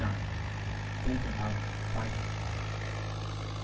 Bake about 5 minutes.